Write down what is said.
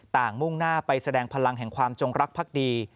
มุ่งหน้าไปแสดงพลังแห่งความจงรักภักดี